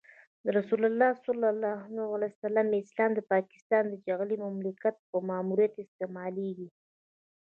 د رسول الله اسلام د پاکستان د جعلي مملکت په ماموریت استعمالېږي.